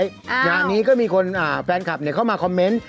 งานนี้ก็มีคนแฟนคลับเข้ามาคอมเมนต์